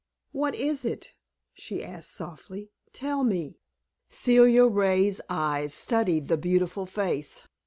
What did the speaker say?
"What is it?" she asked, softly; "tell me." Celia Ray's eyes studied the beautiful face.